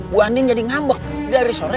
gue andin jadi ngambek dari sore